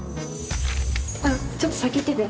あっちょっと先行ってて。